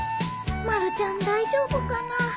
まるちゃん大丈夫かな